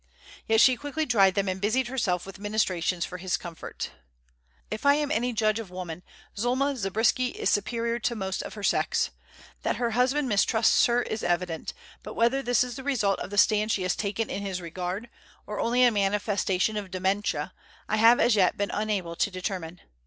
Yet she quickly dried them and busied herself with ministrations for his comfort. If I am any judge of woman, Zulma Zabriskie is superior to most of her sex. That her husband mistrusts her is evident, but whether this is the result of the stand she has taken in his regard, or only a manifestation of dementia, I have as yet been unable to determine.